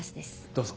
どうぞ。